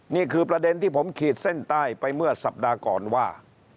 นี่คือประเด็นที่ผมขีดเส้นใต้ไปเมื่อสัปดาห์ก่อนว่า